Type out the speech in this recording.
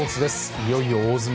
いよいよ大詰め。